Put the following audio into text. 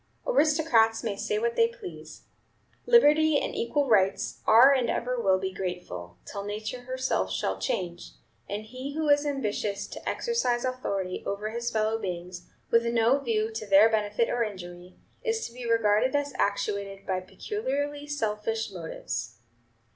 "Aristocrats may say what they please, liberty and equal rights are and ever will be grateful, till nature herself shall change; and he who is ambitious to exercise authority over his fellow beings, with no view to their benefit or injury, is to be regarded as actuated by peculiarly selfish motives.